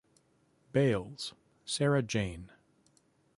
Bailes, Sara Jane.